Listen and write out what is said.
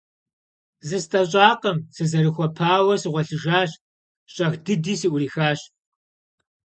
ЗыстӀэщӀакъым, сызэрыхуэпауэ сыгъуэлъыжащ, щӀэх дыди сыӀурихащ.